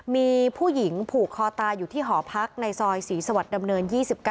มีผู้หญิงผูกคอตายอยู่ที่หอพักในซอยศรีสวรรค์ดำเนิน๒๙